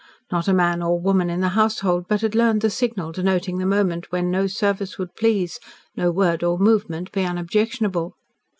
Not a man or woman in the household but had learned the signal denoting the moment when no service would please, no word or movement be unobjectionable.